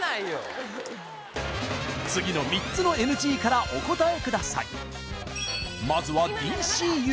次の３つのＮＧからお答えください